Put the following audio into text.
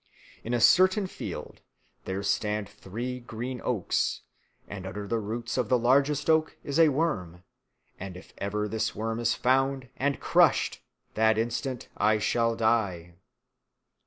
In a certain field there stand three green oaks, and under the roots of the largest oak is a worm, and if ever this worm is found and crushed, that instant I shall die."